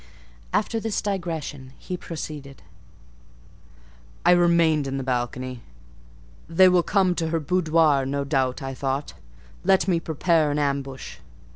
After this digression he proceeded— "I remained in the balcony. 'They will come to her boudoir, no doubt,' thought I: 'let me prepare an ambush.